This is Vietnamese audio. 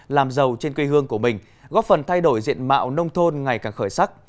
làm giàu trên quê hương của mình góp phần thay đổi diện mạo nông thôn ngày càng khởi sắc